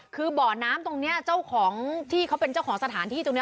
คือบ่อน้ำตรงนี้เจ้าของที่เขาเป็นเจ้าของสถานที่ตรงนี้